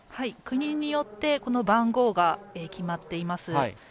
国によって番号が決まっています。